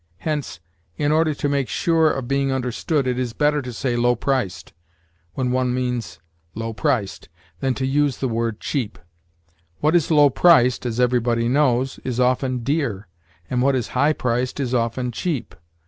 Hence, in order to make sure of being understood, it is better to say low priced, when one means low priced, than to use the word cheap. What is low priced, as everybody knows, is often dear, and what is high priced is often cheap.